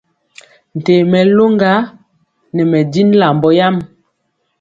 Ntee mɛ loŋga nɛ mɛ jin lambɔ yam.